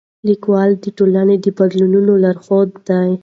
لیکوال د ټولنې د بدلونونو لارښود دی.